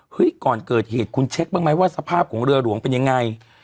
ก่อนเกิดเหตุคุณเช็คบ้างไหมว่าสภาพของเรือหลวงเป็นยังไง